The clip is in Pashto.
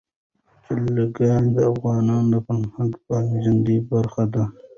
جلګه د افغانانو د فرهنګي پیژندنې برخه ده.